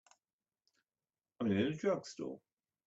I'm in a drugstore.